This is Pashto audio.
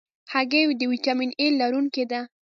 هګۍ د ویټامین A لرونکې ده.